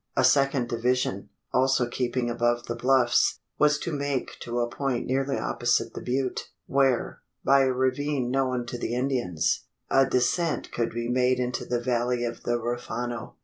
A second division also keeping above the bluffs was to make to a point nearly opposite the butte; where, by a ravine known to the Indians, a descent could be made into the valley of the Huerfano.